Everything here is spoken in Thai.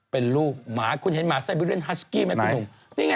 เป็นลูกหมาคุณเห็นหมาไซบิเรียนฮัสกี้ไหมคุณหนุ่มนี่ไง